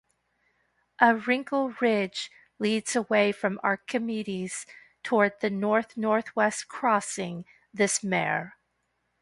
A wrinkle ridge leads away from Archimedes toward the north-northwest, crossing this mare.